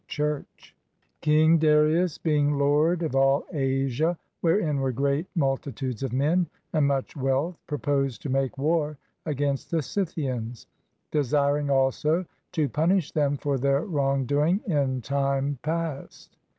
CHURCH Klng Darius, being lord of all Asia, wherein were great multitudes of men and much wealth, purposed to make war against the Scythians, desiring also to punish them for their wrongdoing in time past.